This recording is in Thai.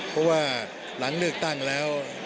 เพราะว่าหลังเลือกตั้งแล้ว